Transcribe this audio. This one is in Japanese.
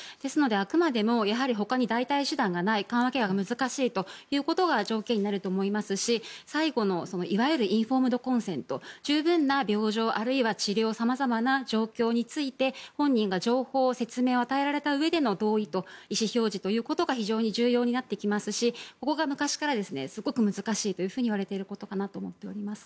ですので、あくまでも代替手段がない緩和ケアがないことが条件になると思いますし最後の、いわゆるインフォームド・コンセント十分な病状あるいは治療様々な状況について本人が説明を与えられたうえでの意思表示が必要で、そこがすごく難しいといわれていることかと思います。